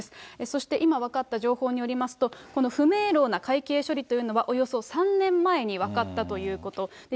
そして今分かった情報によりますと、この不明朗な会計処理というのは、およそ３年前に分かったということ。